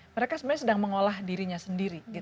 mereka sebenarnya sedang mengolah dirinya sendiri